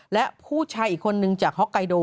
และผู้ชายอีกคนนึงจากฮอกไกโด